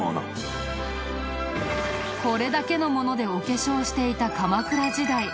これだけのものでお化粧していた鎌倉時代。